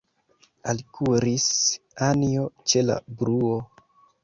Alkuris Anjo ĉe la bruo.